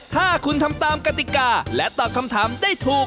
ถ้าคุณทำตามกติกาและตอบคำถามได้ถูก